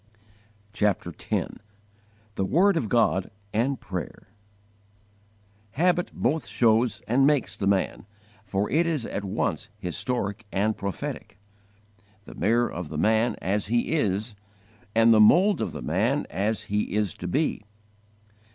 CHAPTER X THE WORD OF GOD AND PRAYER HABIT both shows and makes the man, for it is at once historic and prophetic, the mirror of the man as he is and the mould of the man as he is to be.